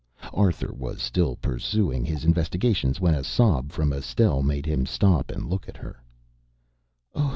Arthur was still pursuing his investigation when a sob from Estelle made him stop and look at her.